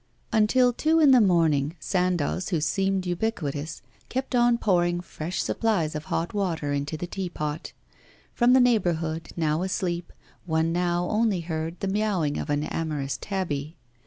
Until two in the morning, Sandoz, who seemed ubiquitous, kept on pouring fresh supplies of hot water into the teapot. From the neighbourhood, now asleep, one now only heard the miawing of an amorous tabby.